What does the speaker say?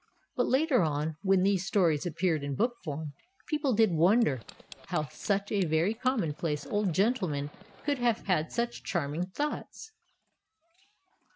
But later on, when these stories appeared in book form, people did wonder how such a very commonplace old gentleman could have had such charming thoughts.